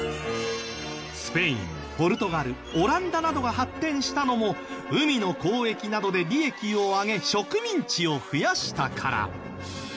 スペインポルトガルオランダなどが発展したのも海の交易などで利益を上げ植民地を増やしたから。